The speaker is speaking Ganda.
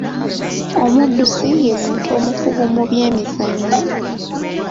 Omuddusi ye muntu omukugu mu byemizannyo.